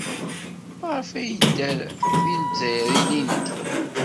Maɣef ay yedder deg Lezzayer ilindi?